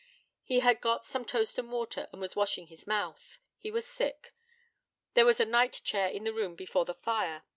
He had got some toast and water, and was washing his mouth. He was sick. There was a night chair in the room before the fire.